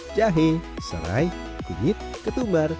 jahe serai tingit ketumbar